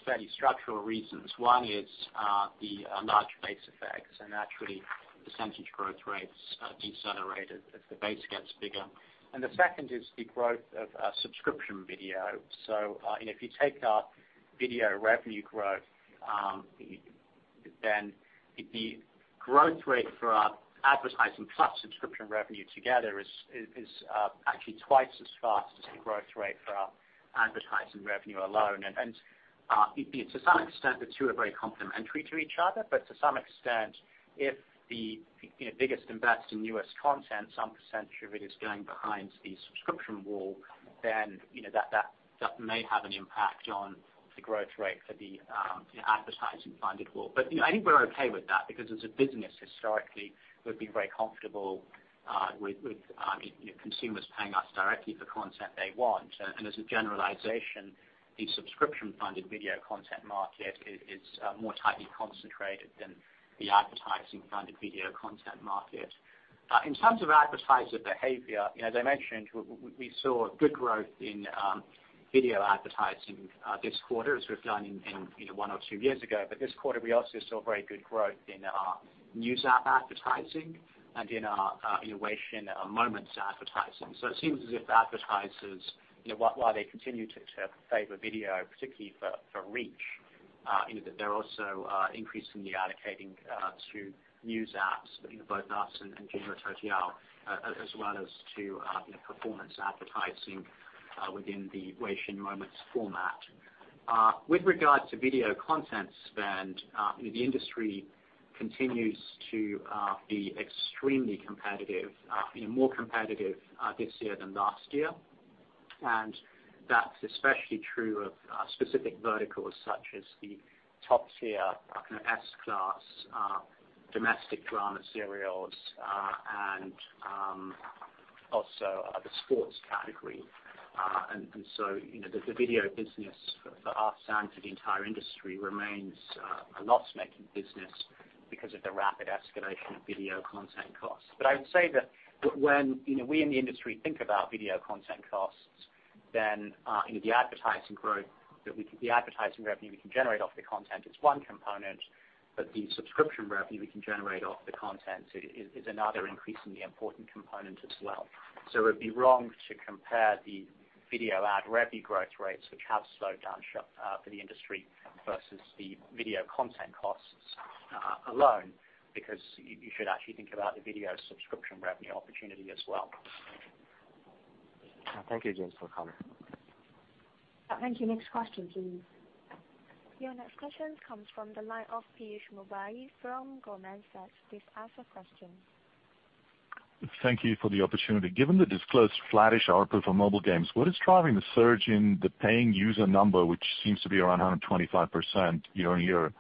fairly structural reasons. One is the large base effects, and actually percentage growth rates decelerated as the base gets bigger. The second is the growth of subscription video. If you take our video revenue growth, then the growth rate for our advertising plus subscription revenue together is actually twice as fast as the growth rate for our advertising revenue alone. To some extent, the two are very complementary to each other. To some extent, if the biggest invest in U.S. content, some percentage of it is going behind the subscription wall, then that may have an impact on the growth rate for the advertising-funded wall. I think we're okay with that because as a business, historically, we've been very comfortable with consumers paying us directly for content they want. As a generalization, the subscription-funded video content market is more tightly concentrated than the advertising-funded video content market. In terms of advertiser behavior, as I mentioned, we saw good growth in video advertising this quarter as we've done in one or two years ago. This quarter, we also saw very good growth in our news app advertising and in our Weixin Moments advertising. It seems as if advertisers, while they continue to favor video, particularly for reach, that they're also increasingly allocating to news apps, both us and Jinri Toutiao, as well as to performance advertising within the Weixin Moments format. With regard to video content spend, the industry continues to be extremely competitive, more competitive this year than last year. That's especially true of specific verticals such as the top tier, S class, domestic drama serials, and also the sports category. The video business for us and for the entire industry remains a loss-making business because of the rapid escalation of video content costs. I would say that when we in the industry think about video content costs, the advertising revenue we can generate off the content is one component, but the subscription revenue we can generate off the content is another increasingly important component as well. It would be wrong to compare the video ad revenue growth rates, which have slowed down for the industry, versus the video content costs alone, because you should actually think about the video subscription revenue opportunity as well. Thank you, James, for the comment. Thank you. Next question, please. Your next question comes from the line of Piyush Mubayi from Goldman Sachs. Please ask your question. Thank you for the opportunity. Given the disclosed flattish ARPU for mobile games, what is driving the surge in the paying user number, which seems to be around 125% year-on-year?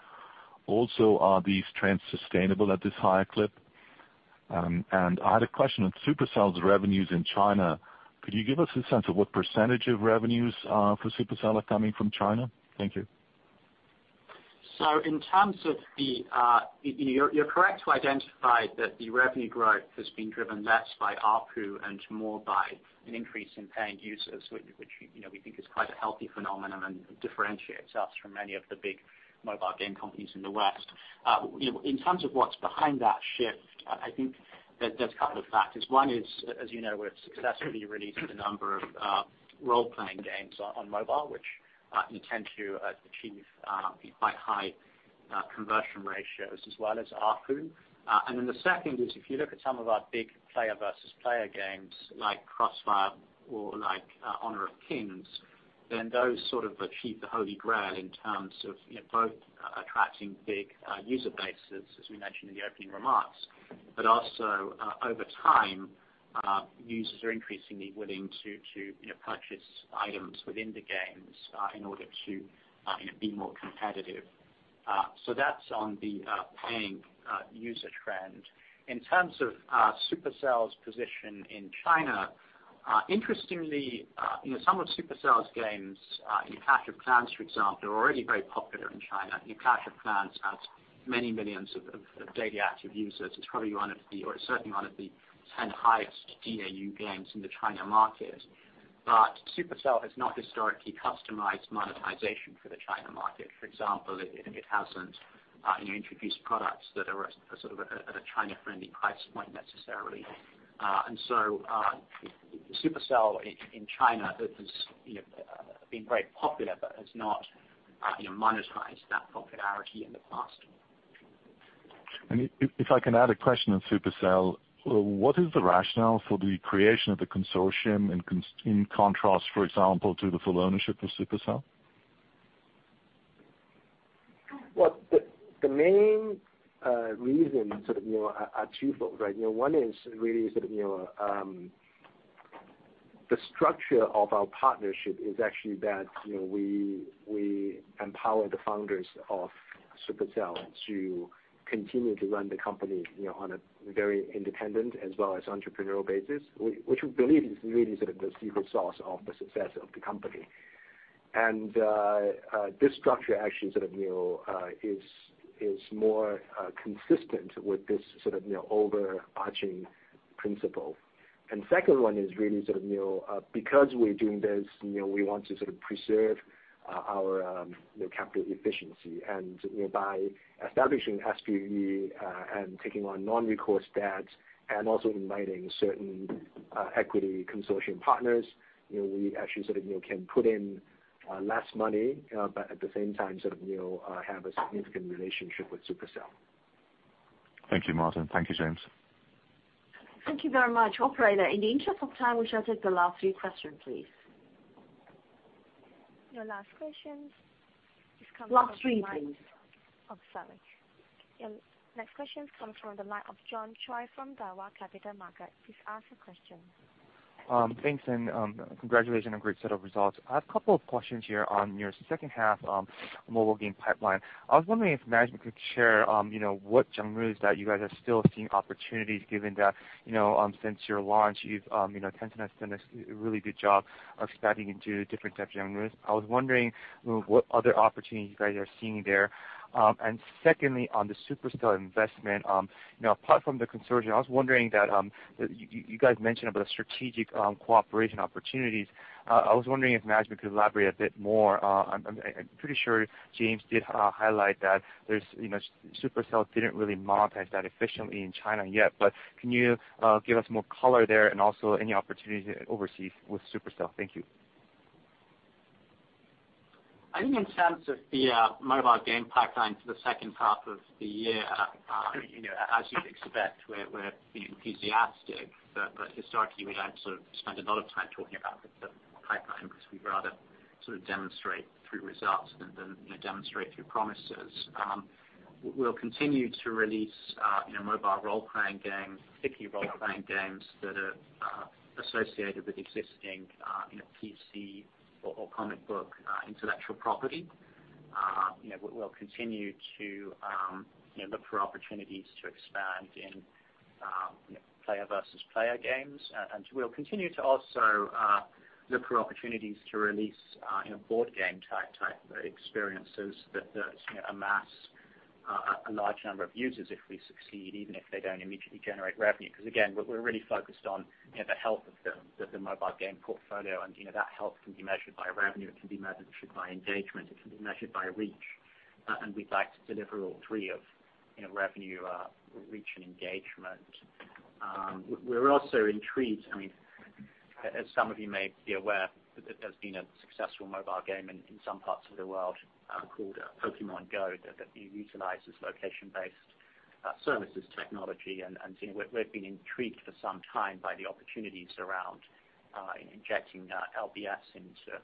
Are these trends sustainable at this higher clip? I had a question on Supercell's revenues in China. Could you give us a sense of what % of revenues for Supercell are coming from China? Thank you. You're correct to identify that the revenue growth has been driven less by ARPU and more by an increase in paying users, which we think is quite a healthy phenomenon and differentiates us from many of the big mobile game companies in the West. In terms of what's behind that shift, I think there's a couple of factors. One is, as you know, we've successfully released a number of role-playing games on mobile, which tend to achieve quite high conversion ratios as well as ARPU. The second is, if you look at some of our big player versus player games like CrossFire or like Honor of Kings, those sort of achieve the holy grail in terms of both attracting big user bases, as we mentioned in the opening remarks. Also, over time, users are increasingly willing to purchase items within the games in order to be more competitive. That's on the paying user trend. In terms of Supercell's position in China, interestingly some of Supercell's games, Clash of Clans, for example, are already very popular in China. Clash of Clans has many millions of daily active users. It's probably one of the, or certainly one of the 10 highest DAU games in the China market. Supercell has not historically customized monetization for the China market. For example, it hasn't introduced products that are at a China-friendly price point necessarily. Supercell in China has been very popular, but has not monetized that popularity in the past. If I can add a question on Supercell, what is the rationale for the creation of the consortium in contrast, for example, to the full ownership of Supercell? Well, the main reason are twofold. One is really the structure of our partnership is actually that we empower the founders of Supercell to continue to run the company on a very independent as well as entrepreneurial basis, which we believe is really the secret sauce of the success of the company. This structure actually is more consistent with this overarching principle. Second one is really because we're doing this, we want to preserve our capital efficiency. By establishing SPV and taking on non-recourse debts and also inviting certain equity consortium partners, we actually can put in less money, but at the same time have a significant relationship with Supercell. Thank you, Martin. Thank you, James. Thank you very much. Operator, in the interest of time, would you take the last few questions, please? Your last question is coming from the line. Last three, please. Oh, sorry. Your next question comes from the line of John Choi from Daiwa Capital Markets. Please ask your question. Thanks, and congratulations on a great set of results. I have a couple of questions here on your second half mobile game pipeline. I was wondering if management could share what genres that you guys are still seeing opportunities, given that since your launch, Tencent has done a really good job of expanding into different types of genres. I was wondering what other opportunities you guys are seeing there. Secondly, on the Supercell investment, apart from the consortium, I was wondering that you guys mentioned about strategic cooperation opportunities. I was wondering if management could elaborate a bit more on. I'm pretty sure James did highlight that Supercell didn't really monetize that efficiently in China yet, but can you give us more color there, and also any opportunities overseas with Supercell? Thank you. I think in terms of the mobile game pipeline for the second half of the year, as you'd expect, we're being enthusiastic. Historically, we don't spend a lot of time talking about. Because we'd rather demonstrate through results than demonstrate through promises. We'll continue to release mobile role-playing games, particularly role-playing games that are associated with existing PC or comic book intellectual property. We'll continue to look for opportunities to expand in player versus player games, and we'll continue to also look for opportunities to release board game-type experiences that amass a large number of users if we succeed, even if they don't immediately generate revenue. Again, we're really focused on the health of the mobile game portfolio, and that health can be measured by revenue, it can be measured by engagement, it can be measured by reach, and we'd like to deliver all three of revenue, reach, and engagement. We're also intrigued, as some of you may be aware, there's been a successful mobile game in some parts of the world called Pokémon GO, that utilizes location-based services technology. We've been intrigued for some time by the opportunities around injecting LBS into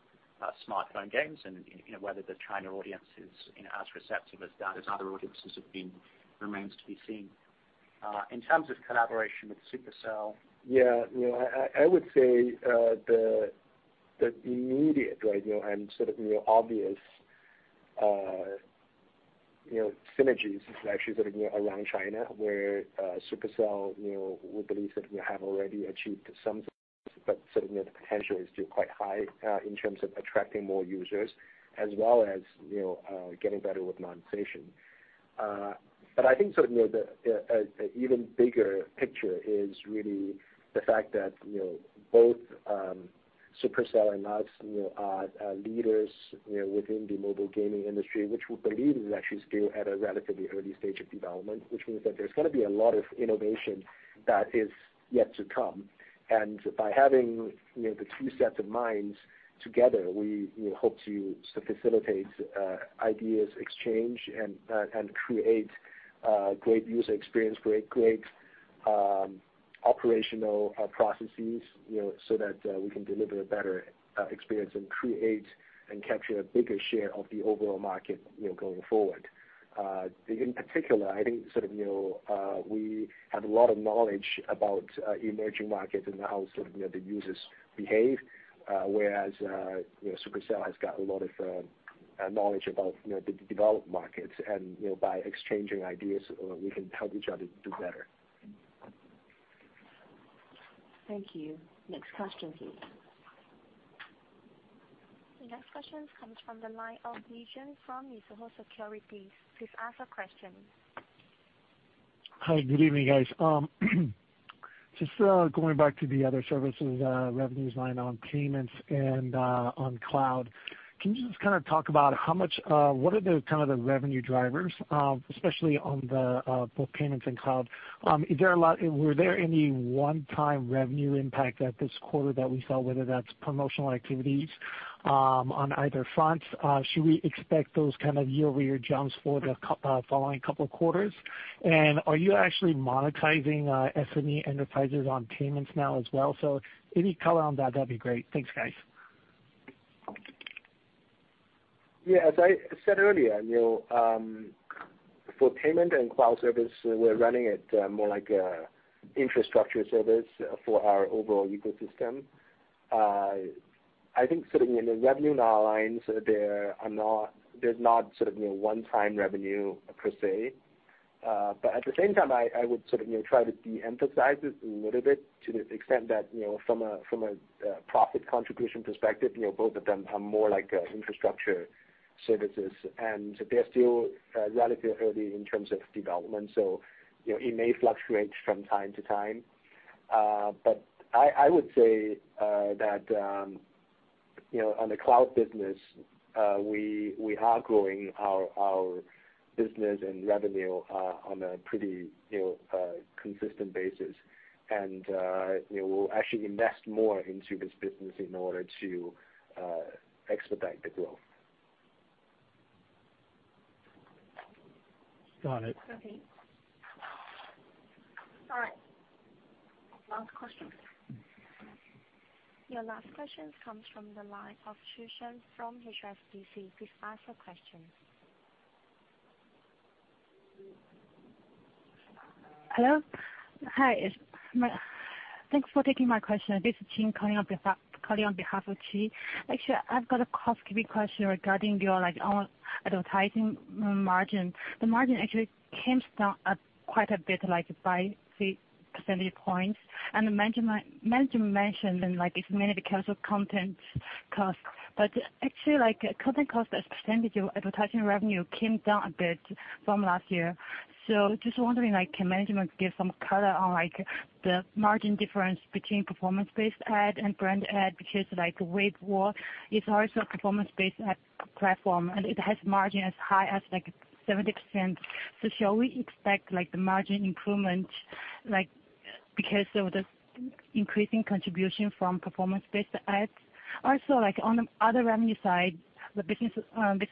smartphone games, and whether the China audience is as receptive as other audiences have been remains to be seen. In terms of collaboration with Supercell Yeah. I would say the immediate and sort of obvious synergies is actually around China, where Supercell, we believe that we have already achieved some, but the potential is still quite high in terms of attracting more users as well as getting better with monetization. I think the even bigger picture is really the fact that both Supercell and us are leaders within the mobile gaming industry, which we believe is actually still at a relatively early stage of development, which means that there's going to be a lot of innovation that is yet to come. By having the two sets of minds together, we hope to facilitate ideas exchange and create great user experience, create great operational processes, so that we can deliver a better experience and create and capture a bigger share of the overall market going forward. In particular, I think we have a lot of knowledge about emerging markets and how the users behave, whereas Supercell has got a lot of knowledge about the developed markets. By exchanging ideas, we can help each other do better. Thank you. Next question, please. The next question comes from the line of Li Jun from Mizuho Securities. Please ask your question. Hi. Good evening, guys. Just going back to the other services revenues line on payments and on cloud. Can you just kind of talk about what are the kind of the revenue drivers, especially on both payments and cloud? Were there any one-time revenue impact at this quarter that we saw, whether that's promotional activities on either fronts? Should we expect those kind of year-over-year jumps for the following couple of quarters? Are you actually monetizing SME enterprises on payments now as well? Any color on that'd be great. Thanks, guys. Yeah. As I said earlier, for payment and cloud service, we're running it more like infrastructure service for our overall ecosystem. I think sitting in the revenue lines, there's not sort of one-time revenue per se. At the same time, I would sort of try to de-emphasize it a little bit to the extent that from a profit contribution perspective, both of them are more like infrastructure services, and they're still relatively early in terms of development. It may fluctuate from time to time. I would say that on the cloud business, we are growing our business and revenue on a pretty consistent basis. We'll actually invest more into this business in order to expedite the growth. Got it. Okay. All right. Last question. Your last question comes from the line of Chi Tsang from HSBC. Please ask your question. Hello. Hi. Thanks for taking my question. This is Jean calling on behalf of Qi. Actually, I've got a cost question regarding your advertising margin. The margin actually came down quite a bit, like by 50 percentage points. The management mentioned it's mainly because of content cost. Actually, content cost as a percentage of advertising revenue came down a bit from last year. Just wondering, can management give some color on the margin difference between performance-based ad and brand ad? Because Wavewalk is also a performance-based ad platform, and it has margin as high as 70%. Shall we expect the margin improvement because of the increasing contribution from performance-based ads? Also, on the other revenue side, the business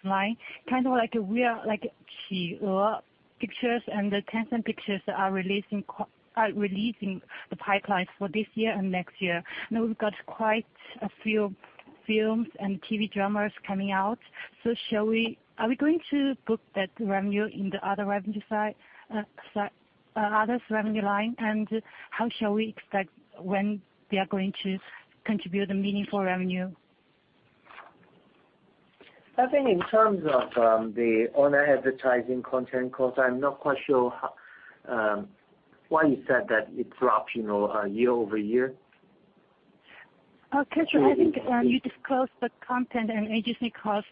line, kind of like iQIYI Pictures and the Tencent Pictures that are releasing. The pipeline for this year and next year. We've got quite a few films and TV dramas coming out. Are we going to book that revenue in the other revenue side, others revenue line. How shall we expect when they are going to contribute a meaningful revenue? I think in terms of the online advertising content cost, I'm not quite sure why you said that it dropped year-over-year. Okay. I think you disclosed the content and agency cost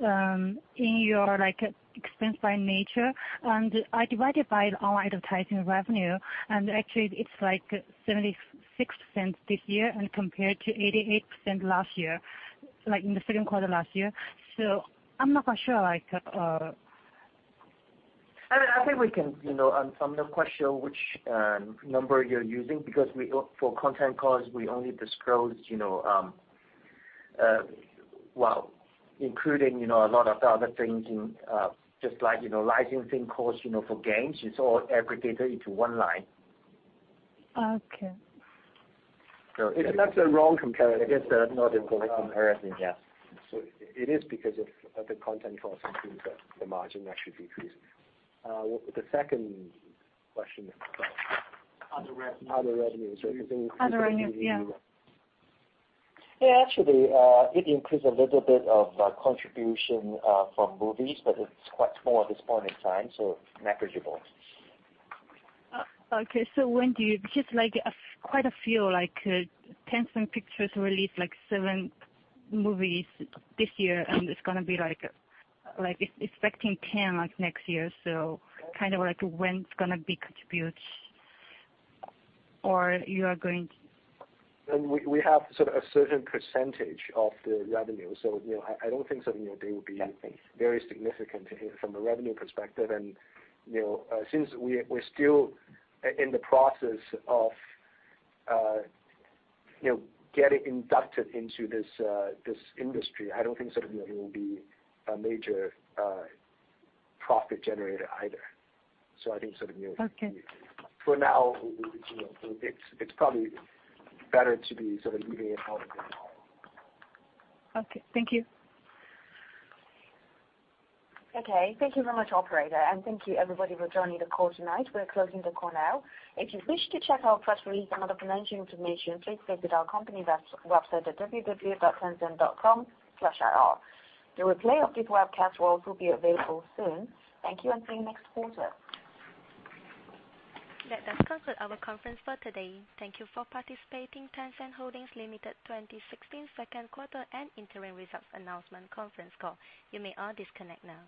in your expense by nature, and I divided by online advertising revenue, and actually it's like 76% this year and compared to 88% last year, in the second quarter last year. I'm not quite sure. I think we can. I'm not quite sure which number you're using because for content costs, we only disclose while including a lot of the other things in, just like licensing costs for games, it's all aggregated into one line. Okay. That's a wrong comparison. I guess that's not a correct comparison, yeah. It is because of the content costs increase that the margin actually decreased. The second question is about. Other revenues. Other revenues. Are you thinking. Other revenues, yeah. Actually, it increased a little bit of contribution from movies, but it's quite small at this point in time, so negligible. When do you Because quite a few, like Tencent Pictures released like seven movies this year, and it's expecting 10 next year. Kind of like when it's going to be contribute or you are going to? We have sort of a certain percentage of the revenue. I don't think they will be very significant from the revenue perspective. Since we're still in the process of getting inducted into this industry, I don't think it will be a major profit generator either. I think. Okay. For now, it's probably better to be sort of leaving it out for now. Okay. Thank you. Okay. Thank you very much, operator, and thank you everybody for joining the call tonight. We're closing the call now. If you wish to check our press release and other financial information, please visit our company website at www.tencent.com/ir. The replay of this webcast will also be available soon. Thank you and see you next quarter. That does conclude our conference for today. Thank you for participating Tencent Holdings Limited 2016 second quarter and interim results announcement conference call. You may all disconnect now.